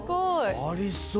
ありそう！